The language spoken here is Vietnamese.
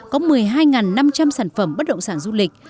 có một mươi hai năm trăm linh sản phẩm bất động sản du lịch